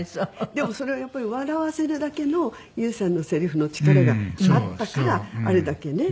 でもそれはやっぱり笑わせるだけのＹＯＵさんのせりふの力があったからあれだけね。